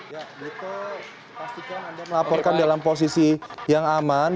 ya dito pastikan anda melaporkan dalam posisi yang aman